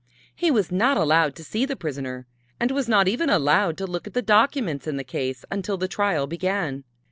He was not allowed to see the prisoner and was not even allowed to look at the documents in the case until the trial began.